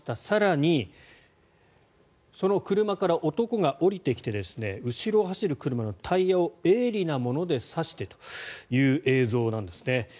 更に、その車から男が降りてきて後ろを走る車のタイヤを鋭利なもので刺してという映像なんですね。